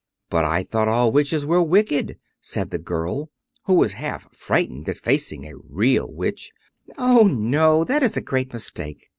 "But I thought all witches were wicked," said the girl, who was half frightened at facing a real witch. "Oh, no, that is a great mistake.